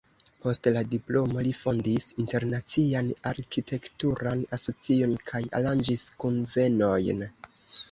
Post la diplomo li fondis internacian arkitekturan asocion kaj aranĝis kunvenojn.